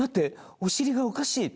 おしりがおかしい」。